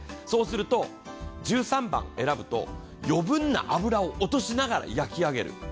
そうすると、１３番選ぶと余分な脂を落としながら焼ける。